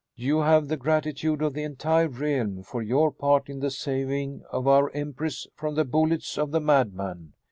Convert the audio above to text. You have the gratitude of the entire realm for your part in the saving of our empress from the bullets of the madman."